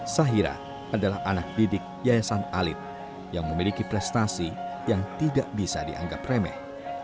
sahira adalah anak didik yayasan alit yang memiliki prestasi yang tidak bisa dianggap remeh